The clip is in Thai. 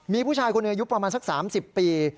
มีผู้ชายคนหนึ่งอายุประมาณสัก๓๐ปี